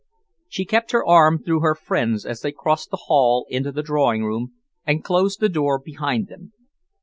She kept her arm through her friend's as they crossed the hall into the drawing room, and closed the door behind them.